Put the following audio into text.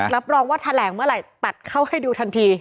รับรองว่าแถลงเมื่อไหร่ตัดเข้าให้ดูทันที